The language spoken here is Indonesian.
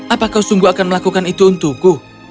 apa kau sungguh akan melakukan itu untukku